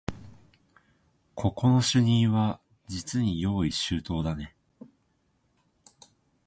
ここの主人はじつに用意周到だね